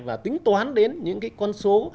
và tính toán đến những con số